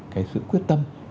cái sự quyết tâm